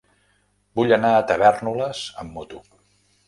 Vull anar a Tavèrnoles amb moto.